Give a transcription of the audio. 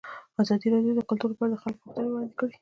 ازادي راډیو د کلتور لپاره د خلکو غوښتنې وړاندې کړي.